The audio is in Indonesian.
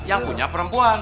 yang punya perempuan